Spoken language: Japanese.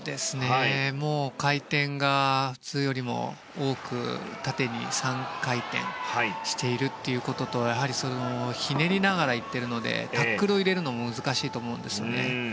回転が２よりも多く縦に３回転しているということとやはりひねりながら行っているのでタックルを入れるのも難しいと思うんですよね。